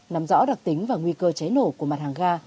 nằm rõ đặc tính và nguy cơ cháy nổ của mặt hàng ga